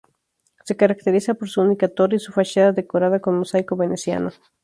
Se caracteriza por su única torre y su fachada decorada con mosaico veneciano.